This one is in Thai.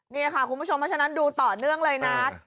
นี่ค่ะคุณผู้ชมเพราะฉะนั้นดูต่อเนื่องเลยนะ